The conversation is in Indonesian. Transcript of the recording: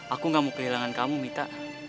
aku gak mau kehilangan kamu mita